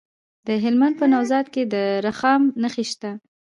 د هلمند په نوزاد کې د رخام نښې شته.